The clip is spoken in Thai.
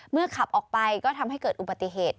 ขับออกไปก็ทำให้เกิดอุบัติเหตุ